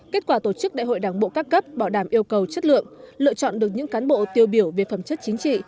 kết quả tổ chức đại hội đảng bộ các cấp bảo đảm yêu cầu chất lượng lựa chọn được những cán bộ tiêu biểu về phẩm chất chính trị